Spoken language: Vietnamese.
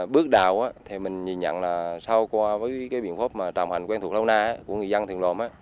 bước đầu thì mình nhìn nhận là sau qua với biện pháp trồng hành quen thuộc lâu nay của người dân thường lộn